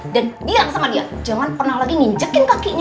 dan bilang sama dia jangan pernah lagi nginjekin kakinya ke cafe saya